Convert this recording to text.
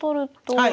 はい。